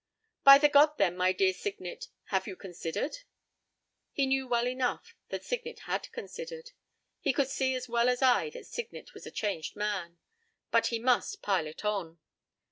p> "By the God, then, my dear Signet, have you considered?" He knew well enough that Signet had "considered." He could see as well as I that Signet was a changed man. But he must "pile it on."